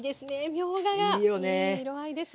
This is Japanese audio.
みょうががいい色合いです。